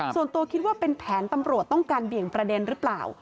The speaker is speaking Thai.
ส่วนตัวคิดว่าเป็นแผนตำรวจต้องการเบี่ยงประเด็นหรือเปล่า